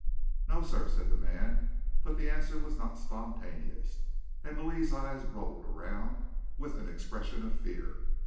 "No, sir," said the man; but the answer was not spontaneous, and Louis's eyes rolled around with an expression of fear.